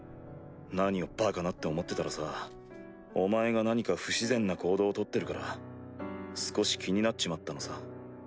何をバカなって思ってたらさお前が何か不自然な行動を取ってるから少し気になっちまったのさ。